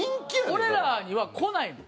俺らには来ないもん。